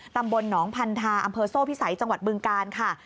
ตำบลหนองพันธาอำเภอโซ่พิสัยจังหวัดบึงกาลค่ะ